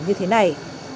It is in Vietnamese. như thế này